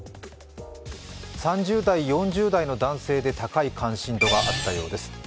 ３０代、４０代の男性で高い関心度があったようです。